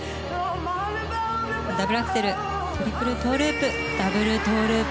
ダブルアクセルトリプルトウループダブルトウループ。